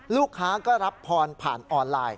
ลูกค้าก็รับพรผ่านออนไลน์